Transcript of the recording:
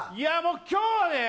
今日はね